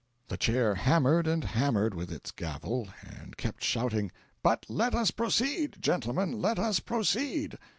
The Chair hammered and hammered with its gavel, and kept shouting: "But let us proceed, gentlemen, let us proceed!"